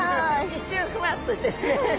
一瞬ふわっとして。